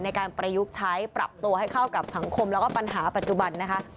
ในการประยุกต์ใช้ปรับตัวให้เข้ากับสังคมแล้วก็ปัญหาปัจจุบันนะคะ